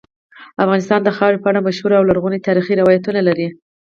افغانستان د خاورې په اړه مشهور او لرغوني تاریخی روایتونه لري.